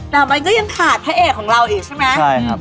แต่มันก็ยังขาดพระเอกของเราอีกใช่ไหมใช่ครับ